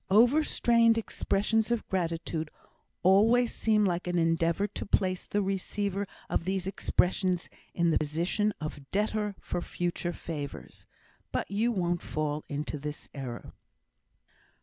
Overstrained expressions of gratitude always seem like an endeavour to place the receiver of these expressions in the position of debtor for future favours. But you won't fall into this error."